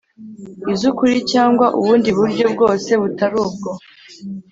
iz ukuri cyangwa ubundi buryo bwose butari ubwo